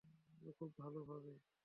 খুব ভালো ভাবে।